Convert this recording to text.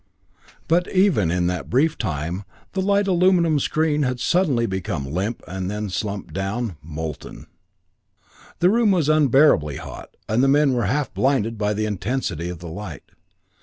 But even in that brief time, the light aluminum screen had suddenly become limp and slumped down, molten! The room was unbearably hot, and the men were half blinded by the intensity of the light.